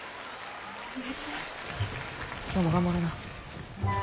今日も頑張ろな。